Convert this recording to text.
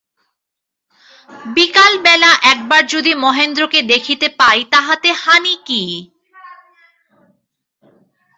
বিকাল বেলা একবার যদি মহেন্দ্রকে দেখিতে পাই তাহাতে হানি কী।